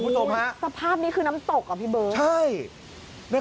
สภาพนี้คือน้ำตกเหรอพี่เบิร์ค